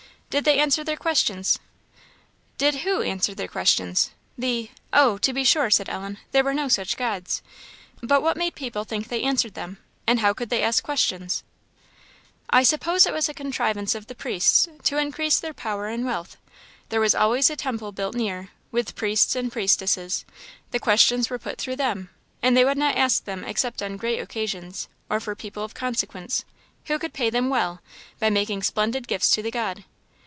"Did they answer their questions?" "Did who answer their questions?" "The oh, to be sure," said Ellen, "there were no such gods. But what made people think they answered them? and how could they ask questions?" "I suppose it was a contrivance of the priests, to increase their power and wealth. There was always a temple built near, with priests and priestesses; the questions were put through them; and they would not ask them except on great occasions, or for people of consequence, who could pay them well, by making splendid gifts to the god."